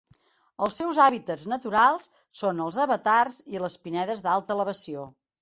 Els seus hàbitats naturals són els avetars i les pinedes d'alta elevació.